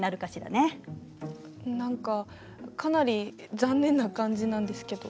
何かかなり残念な感じなんですけど。